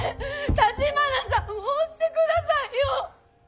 橘さんもおってくださいよ！